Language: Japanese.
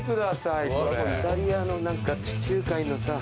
イタリアの何か地中海のさ。